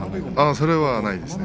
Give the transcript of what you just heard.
それはないですね。